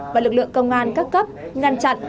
và lực lượng công an các cấp ngăn chặn